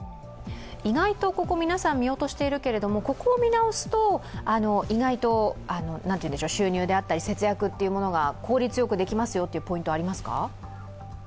意外と皆さん見落としているけれども、ここを見直すと意外と収入であったり節約というのが効率よくできますよというポイントはありますか？